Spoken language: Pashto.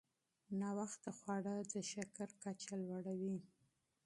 ناوخته خواړه د شکر کچه لوړوي.